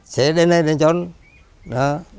sẽ đến đây để trốn